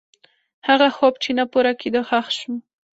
هغه خوب چې نه پوره کېده، ښخ شو.